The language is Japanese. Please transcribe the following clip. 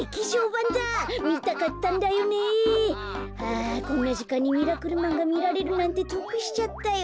あこんなじかんに「ミラクルマン」がみられるなんてとくしちゃったよ。